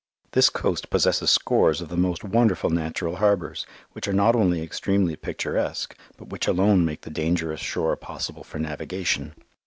This coast possesses scores of the most wonderful natural harbours, which are not only extremely picturesque, but which alone make the dangerous shore possible for navigation.